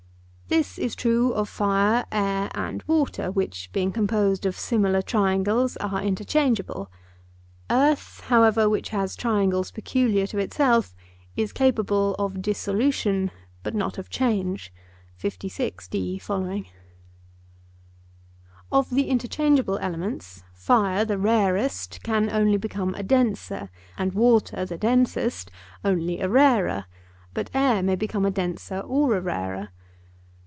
This is true of fire, air, and water, which, being composed of similar triangles, are interchangeable; earth, however, which has triangles peculiar to itself, is capable of dissolution, but not of change. Of the interchangeable elements, fire, the rarest, can only become a denser, and water, the densest, only a rarer: but air may become a denser or a rarer.